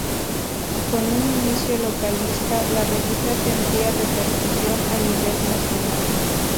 Con un inicio localista, la revista tendría repercusión a nivel nacional.